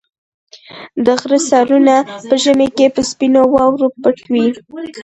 د غره سرونه په ژمي کې په سپینو واورو پټ وي.